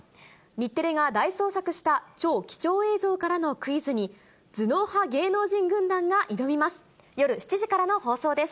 日テレが大捜索した超貴重映像からのクイズに、頭脳派芸能人軍団が挑みます。